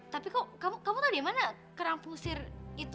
tapi kamu kamu tau di mana kerang fuchsir itu